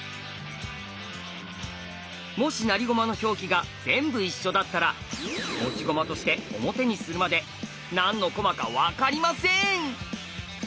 もし成り駒の表記が全部一緒だったら持ち駒として表にするまで何の駒か分かりません！